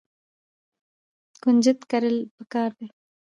کنجد کرل پکار دي.